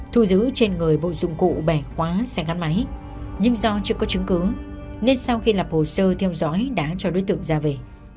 thu giữ trên người bộ dụng cụ bẻ khóa xe gắn máy nhưng do chưa có chứng cứ nên sau khi lập hồ sơ theo dõi đã cho đối tượng ra về